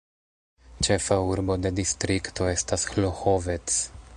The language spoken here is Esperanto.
Ĉefa urbo de distrikto estas Hlohovec.